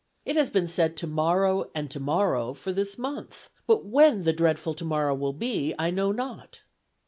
It has been said 'tomorrow' and 'tomorrow,' for this month, but when the dreadful tomorrow will be, I know not.